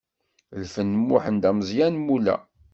Lfen n Muḥend Ameẓyan Mula.